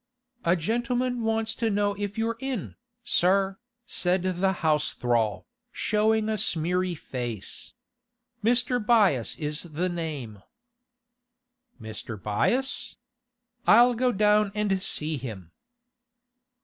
'A gentleman wants to know if you're in, sir,' said the house thrall, showing a smeary face. 'Mr. Byass is the name.' 'Mr. Byass? I'll go down and see him.